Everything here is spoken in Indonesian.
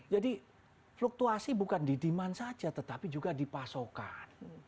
jadi fluktuasi bukan di demand saja tetapi juga di pasokan